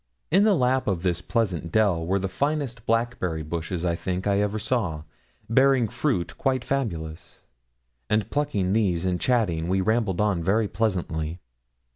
In the lap of this pleasant dell were the finest blackberry bushes, I think, I ever saw, bearing fruit quite fabulous; and plucking these, and chatting, we rambled on very pleasantly.